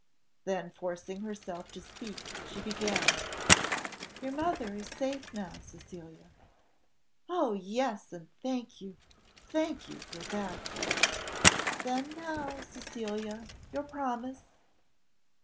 Then forcing herself to speak, she began, "Your mother is safe now, Cecilia." "Oh yes, and thank you, thank you for that " "Then now, Cecilia your promise."